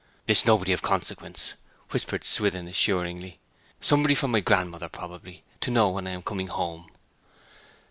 'It is nobody of consequence,' whispered Swithin assuringly. 'Somebody from my grandmother, probably, to know when I am coming home.'